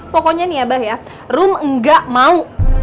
pokoknya nih ya bah ya rum enggak mau